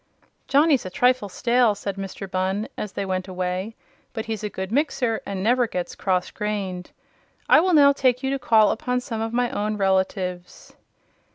"Johnny's a trifle stale," said Mr. Bunn, as they went away; "but he's a good mixer and never gets cross grained. I will now take you to call upon some of my own relatives."